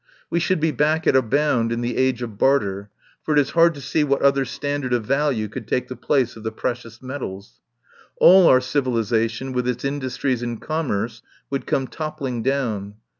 We should be back at a bound in the age of barter, for it is hard to see what other stand ard of value could take the place of the precious metals. All our civilisation, with its industries and commerce, would come top pling down.